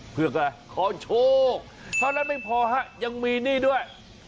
เพื่อขอโชคเท่านั้นไม่พอฮะยังมีหนี้ด้วย